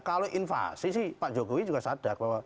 kalau invasi sih pak jokowi juga sadar bahwa